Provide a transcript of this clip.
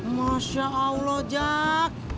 masya allah jack